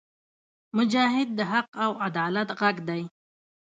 مجاهد د حق او عدالت غږ دی.